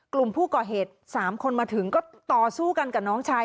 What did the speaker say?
กลุ่มผู้ก่อเหตุ๓คนมาถึงก็ต่อสู้กันกับน้องชาย